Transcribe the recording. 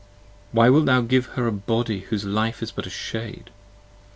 p. 1 2 WHY wilt thou give to her a Body whose life is but a Shade?